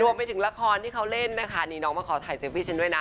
ไปถึงละครที่เขาเล่นนะคะนี่น้องมาขอถ่ายเซลฟี่ฉันด้วยนะ